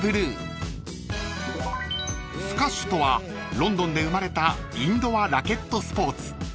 ［スカッシュとはロンドンで生まれたインドアラケットスポーツ］